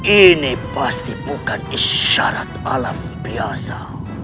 ini pasti bukan isyarat alam biasa